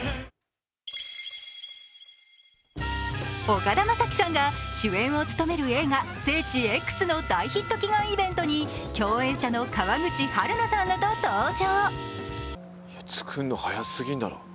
岡田将生さんが主演を務める映画「聖地Ｘ」の大ヒット祈願イベントに共演者の川口春奈さんらと登場。